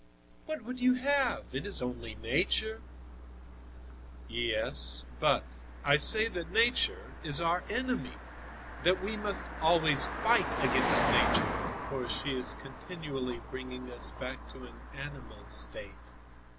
"What would you have? It is only Nature!" "Yes, but I say that Nature is our enemy, that we must always fight against Nature, for she is continually bringing us back to an animal state.